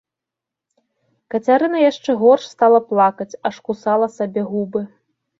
Кацярына яшчэ горш стала плакаць, аж кусала сабе губы.